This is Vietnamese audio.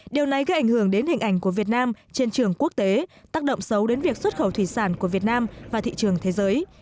điều này gây ảnh hưởng đến hình ảnh của việt nam trên trường quốc tế tác động xấu đến việc xuất khẩu thủy sản của việt nam và thị trường thế giới